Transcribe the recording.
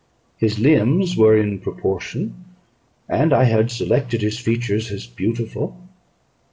His limbs were in proportion, and I had selected his features as beautiful.